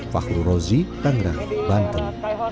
fakul rozi tanggerang banten